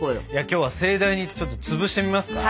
今日は盛大にちょっとつぶしてみますか。